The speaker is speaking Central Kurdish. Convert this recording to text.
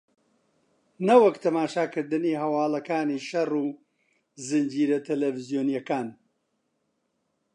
نەوەک تەماشاکردنی هەواڵەکانی شەڕ و زنجیرە تەلەفزیۆنییەکان